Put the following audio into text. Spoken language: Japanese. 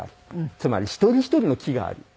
つまり一人ひとりの木がある。